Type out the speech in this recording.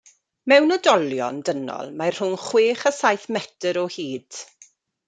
Mewn oedolion dynol mae rhwng chwech a saith metr o hyd.